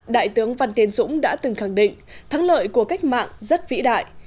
đại tướng văn tiến dũng đã từng khẳng định thắng lợi của cách mạng rất vĩ đại